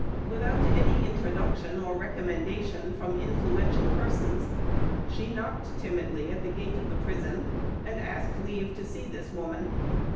Without any introduction or recommendation from influential persons, she knocked timidly at the gate of the prison, and asked leave to see this woman.